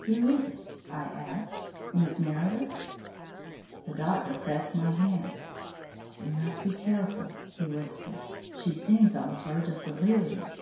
"Who is it?" I asked. "Miss Meredith?" The doctor pressed my hand. "We must be careful," he whispered. "She seems on the verge of delirium."